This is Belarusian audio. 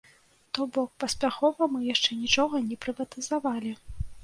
То бок, паспяхова мы яшчэ нічога не прыватызавалі.